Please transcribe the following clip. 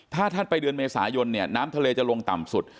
ถ้าท่านไปเดือนเมษายนเนี่ยน้ำทะเลจะลงต่ำสุด